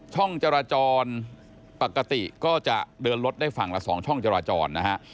ช่องจราจรปกติก็จะเดินรถได้ฝั่งละ๒ช่องจราจรนะฮะ